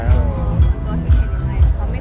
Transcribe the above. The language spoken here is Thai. ตัวคิดเห็นอย่างไร